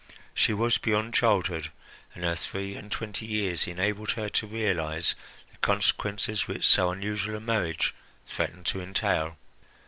She was beyond childhood, and her three and twenty years enabled her to realize the consequences which so unusual a marriage threatened to entail.